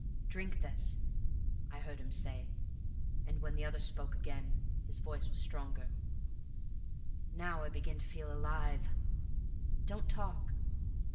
"'Drink this,' I heard him say, and, when the other spoke again, his voice was stronger. "'Now I begin to feel alive ...' "'Don't talk!'